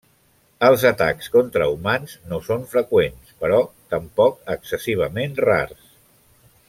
Els atacs contra humans no són freqüents, però tampoc excessivament rars.